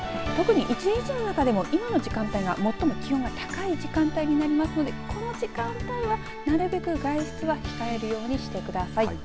一日の中でも今の時間帯が最も気温が高い時間帯になりますのでこの時間帯はなるべく外出は控えるようにしてください。